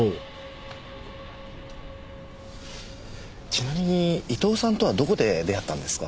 ちなみに伊藤さんとはどこで出会ったんですか？